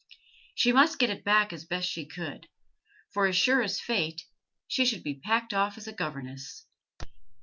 She must get it back as best she could, for, as sure as fate, she should be packed off as a governess.